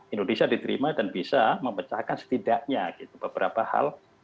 indonesia diterima dan bisa memecahkan setidaknya gitu beberapa hal